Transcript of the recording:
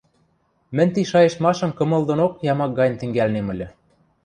Мӹнь ти шайыштмашым кымыл донок ямак гань тӹнгӓлнем ыльы.